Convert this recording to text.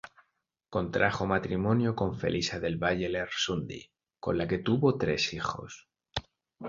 Contrajo matrimonio con Felisa del Valle-Lersundi, con la que tuvo tres hijos.